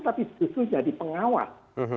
tapi justru jadi pengawas